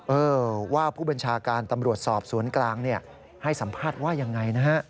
เออว่าผู้บัญชาการตำรวจสอบสวนกลางเนี่ยให้สัมภาษณ์ว่ายังไงนะฮะ